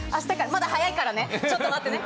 まだ早いからね、ちょっと待ってね。